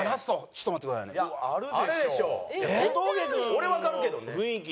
俺わかるけどね。